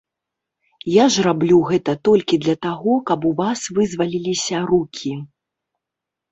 Я ж раблю гэта толькі для таго, каб у вас вызваліліся рукі.